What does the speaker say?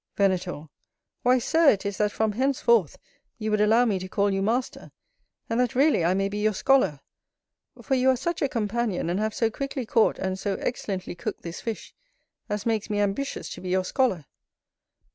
Venator. Why, Sir, it is, that from henceforth you would allow me to call you Master, and that really I may be your scholar; for you are such a companion, and have so quickly caught and so excellently cooked this fish, as makes me ambitious to be your scholar.